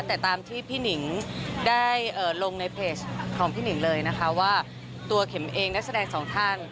แต่ตามที่พี่หนิงได้ลงในเพจของพี่หนิงเลยนะคะว่าตัวเข็มเองนักแสดงสองท่าน